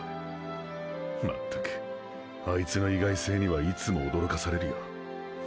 全くあいつの意外性にはいつも驚かされるよ。